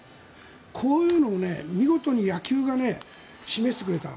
こういうのを見事に野球が示してくれた。